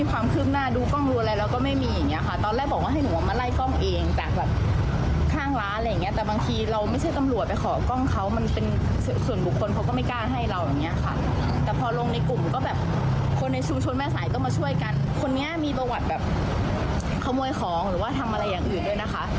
วันนี้มีประวัติแบบขโมยของหรือว่าทำอะไรอย่างอื่นด้วยนะคะ